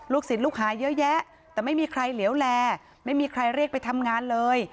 ศิลปลูกหาเยอะแยะแต่ไม่มีใครเหลวแลไม่มีใครเรียกไปทำงานเลย